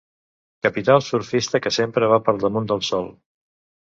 Capital surfista que sempre va per damunt del sol.